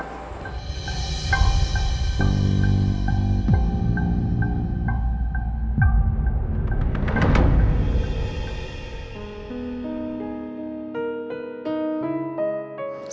step up man